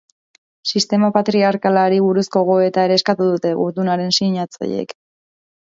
Sistema patriarkalari buruzko gogoeta ere eskatu dute gutunaren sinatzaileek.